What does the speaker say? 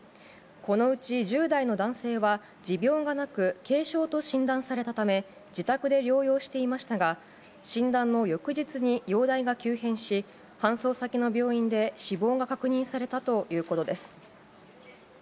このうち１０代の男性は、持病がなく、軽症と診断されたため、自宅で療養していましたが、診断の翌日に容体が急変し、搬送先の病院で死亡が確認されたということです。